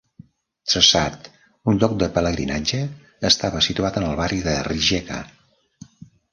Trsat, un lloc de pelegrinatge, estava situat en el barri de Rijeka.